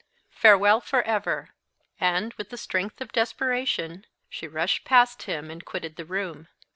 Farewell for ever!" and, with the strength of desperation, she rushed past him, and quitted the room.